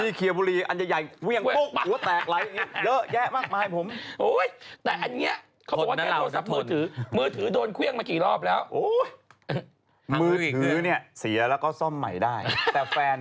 ที่เคียบบุรีอันใหญ่เวี่ยงปุ๊บหัวแตกไหล